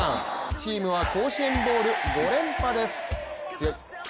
チームは甲子園ボウル５連覇です、強い。